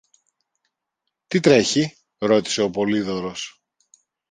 Τι τρέχει; ρώτησε ο Πολύδωρος.